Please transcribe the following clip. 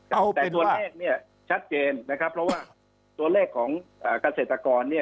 แต่ตัวเลขเนี่ยชัดเจนนะครับเพราะว่าตัวเลขของเกษตรกรเนี่ย